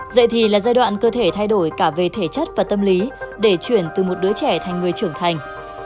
dạy thì là giai đoạn cơ thể thay đổi cả về thể chất và tâm lý để chuyển từ một đứa trẻ thành người trưởng thành